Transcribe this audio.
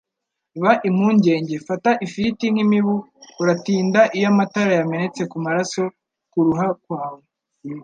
Ba impungenge. Fata ifiriti nk'imibu. Uratinda iyo amatara yamenetse kumaraso kuruhu rwawe?